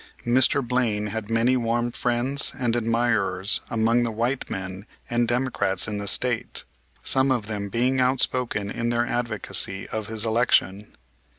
Mr. Blaine had many warm friends and admirers among the white men and Democrats in the State, some of them being outspoken in their advocacy of his election.